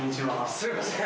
すいません。